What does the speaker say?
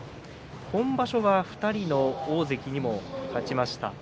今場所は２人の大関にも勝ちました。